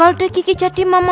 ya udah resources capek wenya